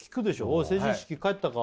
「おい成人式帰ったか？」